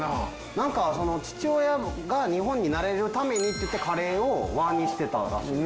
なんか父親が日本に慣れるためにっていってカレーを和にしてたらしいんです。